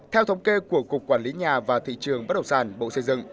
theo thống kê của cục quản lý nhà và thị trường bất động sản bộ xây dựng